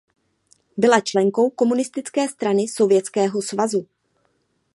Byla členkou Komunistické strany Sovětského svazu.